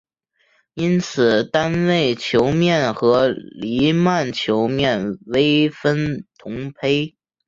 因此单位球面和黎曼球面微分同胚。